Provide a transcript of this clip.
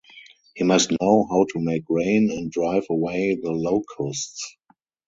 He must know how to make rain and drive away the locusts.